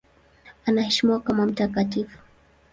Anaheshimiwa kama mtakatifu.